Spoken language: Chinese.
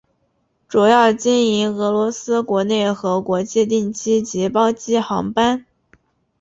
主要经营俄罗斯国内和国际定期及包机航班。